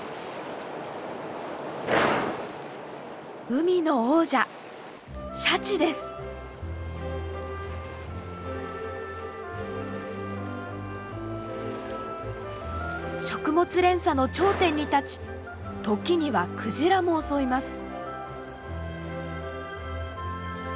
海の王者食物連鎖の頂点に立ち時にはクジラも襲います。